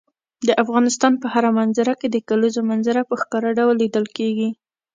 د افغانستان په هره منظره کې د کلیزو منظره په ښکاره ډول لیدل کېږي.